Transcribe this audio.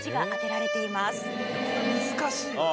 難しいな。